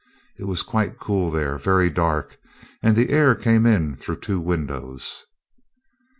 It was quite cool there, very dark, and the air came in through two windows.